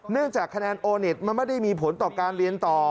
จากคะแนนโอเน็ตมันไม่ได้มีผลต่อการเรียนต่อ